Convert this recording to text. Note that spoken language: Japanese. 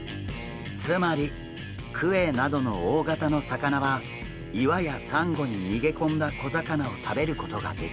つまりクエなどの大型の魚は岩やサンゴに逃げ込んだ小魚を食べることができません。